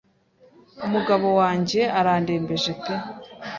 Umugabo wanjye arandembeje pe